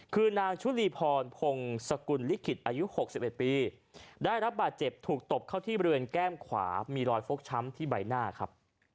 คือนางชุลีพรพงศกุลลิขิตอายุ๖๑ปีได้รับบาดเจ็บถูกตบเข้าที่บริเวณแก้มขวามีรอยฟกช้ำที่ใบหน้าครับ